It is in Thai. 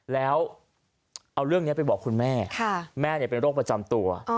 แล้วเอาเรื่องนี้ไปบอกคุณแม่แม่เป็นโรคประจำตัว